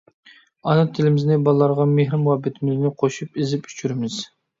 ئانا تىلىمىزنى بالىلارغا مېھىر-مۇھەببىتىمىزنى قوشۇپ ئېزىپ ئىچۈرىمىز.